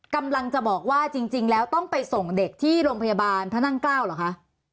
กำลังจะบอกว่าจริงแล้วต้องไปส่งเด็กที่โรงพยาบาลพระนั่งเกล้าเหรอคะ